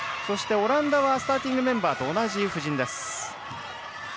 オランダはスターティングメンバーと同じ布陣です。